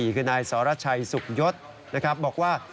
คือนายสรชัยสุขยศนะครับบอกว่า